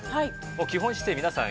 基本姿勢皆さん